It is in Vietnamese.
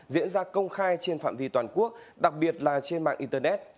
diễn ra công khai trên phạm vi toàn quốc đặc biệt là trên mạng internet